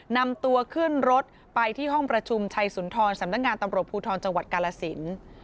นำตัวขึ้นรถไปที่ห้องประชุมชัยสุนทรสำนักงานตำรวจภูทรจังหวัดกาลสิน